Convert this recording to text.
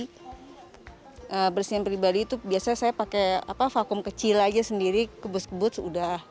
kalau bersih yang pribadi itu biasanya saya pakai vakum kecil aja sendiri kebut kebut sudah